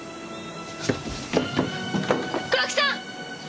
黒木さん！